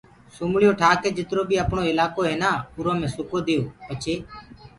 سومݪيون ٺآ ڪي جِترو بيٚ اَپڻو اِلآڪو هي نآ اُرو مي سُڪو ديئو پڇي